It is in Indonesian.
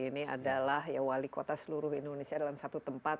ini adalah wali kota seluruh indonesia dalam satu tempat